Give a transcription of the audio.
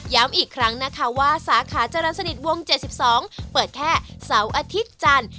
อีกครั้งนะคะว่าสาขาจรรย์สนิทวง๗๒เปิดแค่เสาร์อาทิตย์จันทร์